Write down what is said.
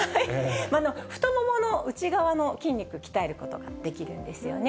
太ももの内側の筋肉鍛えることができるんですよね。